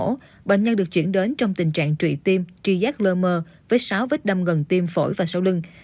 sau đó bệnh nhân được chuyển đến trong tình trạng trụy tim tri giác lơ mơ với sáu vết đâm gần tim phổi và sau lưng